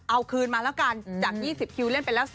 เอาคืนมาแล้วกันจาก๒๐คิวเล่นไปแล้ว๑๐